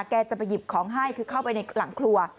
แกจะไปหยิบของให้คือเข้าไปในหลังครัว